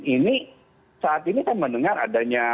ini saat ini saya mendengar adanya